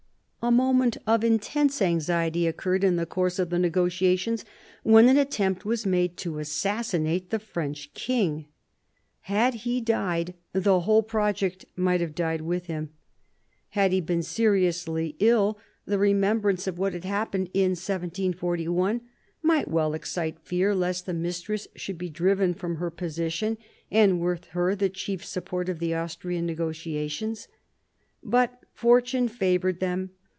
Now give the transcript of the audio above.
A moment of intense anxiety occurred in the course of the negotiations when an attempt was made to assassinate the French king. Had he died, the whole project might have died with him. Had he been seri 1756 7 CHANGE OF ALLIANCES 131 ■ ously ill, the remembrance of what had happened in 1741 might well excite fear lest the mistress should be driven from her position, and with her the chief support of the Austrian negotiations. But fortune favoured them.